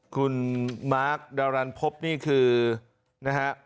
คุณมาร์คดารันพบนี่คือนะฮะ